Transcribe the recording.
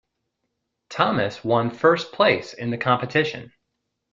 Thomas one first place in the competition.